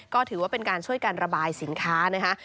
ก็ถือว่าเป็นการช่วยการระบายสินค้านะคะ